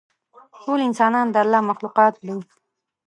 ټول انسانان د الله مخلوقات دي.